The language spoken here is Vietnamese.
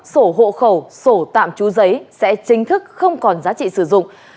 sổ hộ khẩu sổ tạm trú giấy sẽ chính thức không còn giá trị sử dụng